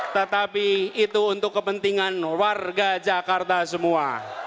tetapi itu untuk kepentingan warga jakarta semua